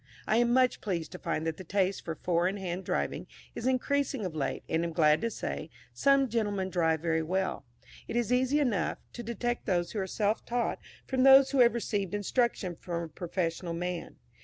I am much pleased to find that the taste for four in hand driving is increasing of late, and am glad to say, some gentlemen drive very well. It is easy enough, to detect those who are self taught from those who have received instruction from a professional man.